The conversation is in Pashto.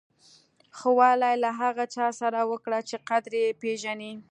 ښه والی له هغه چا سره وکړه چې قدر یې پیژني.